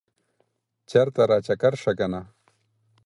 چرته راچکر شه کنه